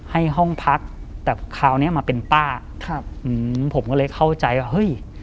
ห้องพักแต่คราวเนี้ยมาเป็นป้าครับอืมผมก็เลยเข้าใจว่าเฮ้ย